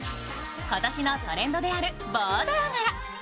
今年のトレンドであるボーダー柄。